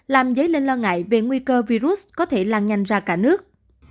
làm dấy lên lo ngại về nguy cơ virus có thể lan nhanh ra cả nước